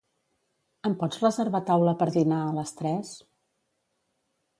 Em pots reservar taula per dinar a les tres?